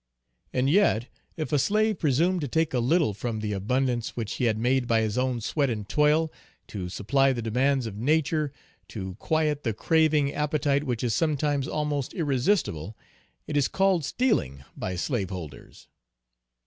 And yet if a slave presumed to take a little from the abundance which he had made by his own sweat and toil, to supply the demands of nature, to quiet the craving appetite which is sometimes almost irresistible, it is called stealing by slaveholders.